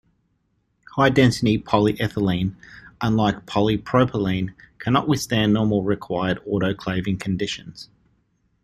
High-density polyethylene, unlike polypropylene, cannot withstand normally required autoclaving conditions.